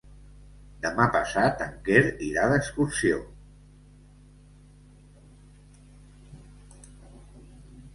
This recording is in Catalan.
Demà passat en Quer irà d'excursió.